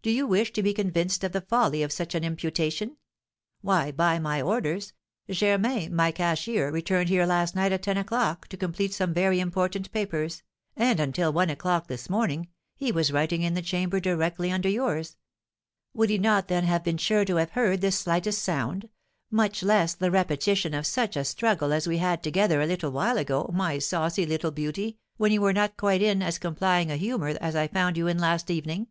Do you wish to be convinced of the folly of such an imputation? Why, by my orders, Germain, my cashier, returned here last night at ten o'clock to complete some very important papers, and until one o'clock this morning he was writing in the chamber directly under yours; would he not then have been sure to have heard the slightest sound, much less the repetition of such a struggle as we had together a little while ago, my saucy little beauty, when you were not quite in as complying a humour as I found you in last evening?